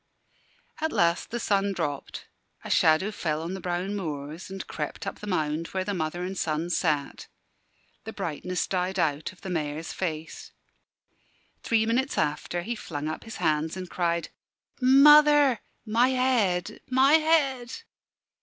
At last the sun dropped; a shadow fell on the brown moors and crept up the mound where the mother and son sat. The brightness died out of the Mayor's face. Three minutes after, he flung up his hands and cried, "Mother my head, my head!"